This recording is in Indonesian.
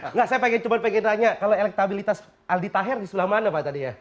enggak saya pengen coba pengen tanya kalau elektabilitas aldi taher di sebelah mana pak tadi ya